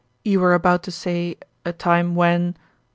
" You were about to say, a time when?"